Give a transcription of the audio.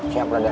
siap lah dah